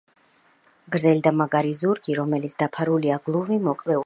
გრძელი და მაგარი ზურგი, რომელიც დაფარულია გლუვი, მოკლე, უხეში ბალნით.